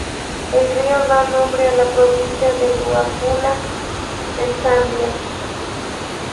El río da nombre a la provincia de Luapula, en Zambia.